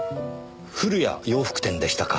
古谷洋服店でしたか。